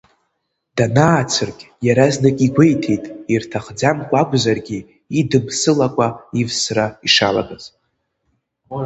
Данаацыркь, иаразнак игәеиҭеит, ирҭахӡамкәа акәзаргьы, идымсылакәа ивсра ишалагаз.